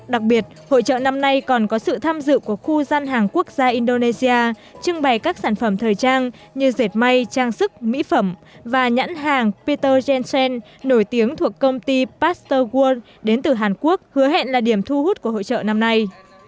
đặc biệt hội trợ năm nay còn có sự tham dự của khu gian hàng quốc gia indonesia trưng bày các sản phẩm thời trang như dệt may trang sức mỹ phẩm và nhãn hàng peter jensen nổi tiếng thuộc công ty pasteur world đến từ hàn quốc hứa hẹn là điểm thu hút của hội trợ năm nay